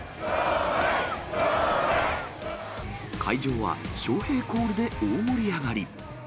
会場はショーヘイコールで大盛り上がり。